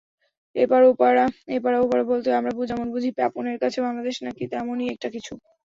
এপাড়া-ওপাড়া বলতে আমরা যেমন বুঝি, পাপনের কাছে বাংলাদেশ নাকি তেমনই কিছু একটা।